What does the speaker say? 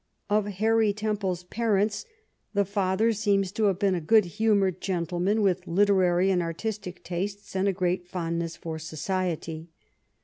Of Harry Temple's parents, the father seems to have been a good humoured gentleman, with literary and artistic tastes, and a great fondness for society.